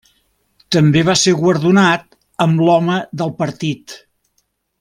També va ser guardonat amb l'home del partit.